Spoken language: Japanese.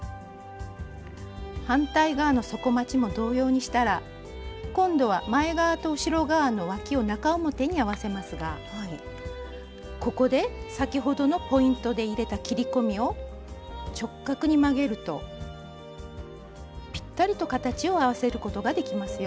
反対側の底まちも同様にしたら今度は前側と後ろ側のわきを中表に合わせますがここで先ほどのポイントで入れた切り込みを直角に曲げるとぴったりと形を合わせることができますよ。